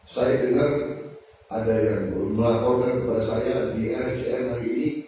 saya dengar ada yang melaporkan pada saya di rcma ini